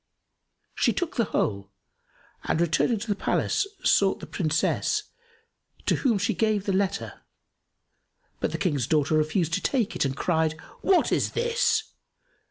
She took the whole and returning to the palace sought the Princess to whom she gave the letter; but the King's daughter refused to take it and cried, "What is this?"